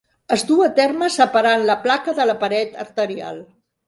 Es du a terme separant la placa de la paret arterial.